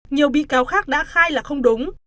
nhiều bị cáo khác đã khai là không đúng